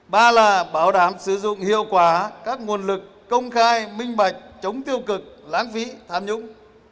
ba là bảo đảm sử dụng hiệu quả các nguồn lực công khai minh bạch chống tiêu cực láng vĩ tham nhũng